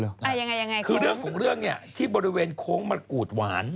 อ่าเร็วคงคือเรื่องของเรื่องเนี่ยที่บริเวณโค้งมรกูดหวาน